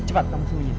ibu kaget argh